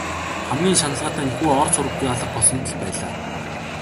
Хамгийн шаналгаатай нь хүү ор сураггүй алга болсонд л байлаа.